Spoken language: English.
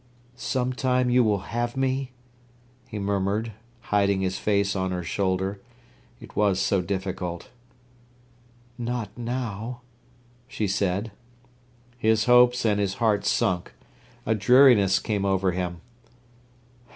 "Sometime you will have me?" he murmured, hiding his face on her shoulder. It was so difficult. "Not now," she said. His hopes and his heart sunk. A dreariness came over him.